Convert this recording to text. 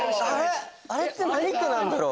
あれって何区なんだろう？